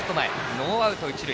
ノーアウト、一塁。